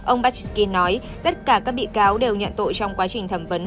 ông bashki nói tất cả các bị cáo đều nhận tội trong quá trình thẩm vấn